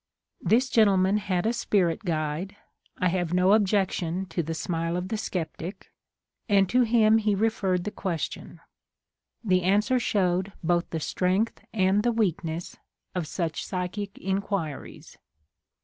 This gentleman had a spirit guide (I have no objection to the smile of the sceptic) , and to him he referred the question. The answer showed both the strength and the weakness of such psychic inquiries.